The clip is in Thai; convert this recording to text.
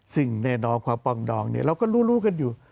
ซึ่งแน่นอนความปลองดองเนี่ยเราก็รู้รู้กันอยู่